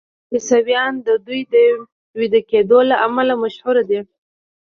عیسویان د دوی د ویده کیدو له امله مشهور دي.